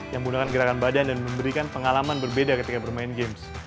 yang menggunakan gerakan badan dan memberikan pengalaman berbeda ketika bermain games